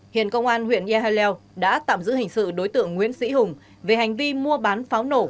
hiện công an huyện ea leo đã tạm giữ hình sự đối tượng nguyễn sĩ hùng về hành vi mua bán pháo nổ